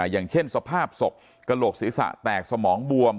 อย่างเช่นสภาพศพกระโหลกศีรษะแตกสมองบวม